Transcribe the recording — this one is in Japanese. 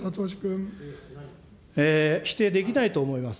否定できないと思います。